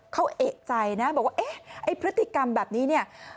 เขาเอกใจนะบอกว่าไอ้พฤติกรรมแบบนี้